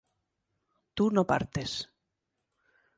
tú no partes